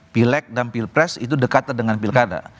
pilek dan pilpres itu dekat dengan pilkada